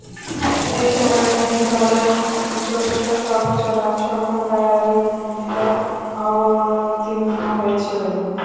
এ সময়ে তিনি দলের চতুর্থ সর্বোচ্চ রান সংগ্রহকারীর ভূমিকায় অবতীর্ণ হয়েছিলেন।